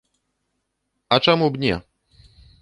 А чаму б не?